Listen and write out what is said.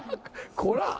こら！